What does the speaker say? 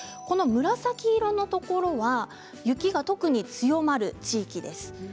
この紫色のところは雪が特に強まる地域です。